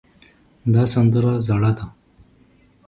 دا سندره زړه ده